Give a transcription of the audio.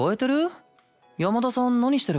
山田さん何してるかな？